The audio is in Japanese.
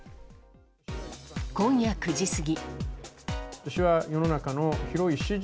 今夜９時過ぎ。